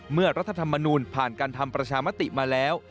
รัฐธรรมนูลผ่านการทำประชามติมาแล้ว